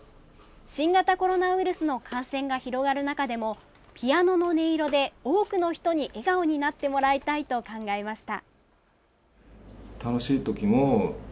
新型コロナウイルスの感染が広がる中でもピアノの音色で多くの人に笑顔になってもらいたいと考えました。